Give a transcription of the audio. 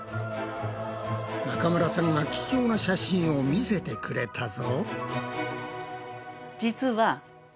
中村さんが貴重な写真を見せてくれたぞ！